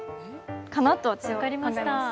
かなと思いました。